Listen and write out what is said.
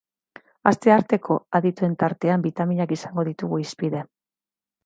Astearteko adituen tartean bitaminak izango ditugu hizpide.